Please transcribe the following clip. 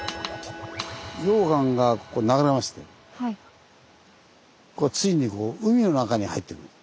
溶岩がこう流れましてついに海の中に入っていくんです。